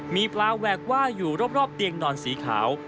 มีปลาแหวกว่ายอยู่รอบเตียงนอนสีขาว